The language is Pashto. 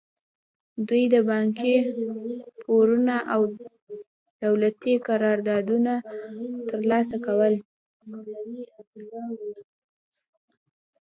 دوی د بانکي پورونه او دولتي قراردادونه ترلاسه کول.